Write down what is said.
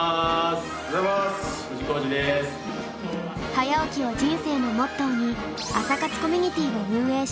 早起きを人生のモットーに朝活コミュニティーを運営しています。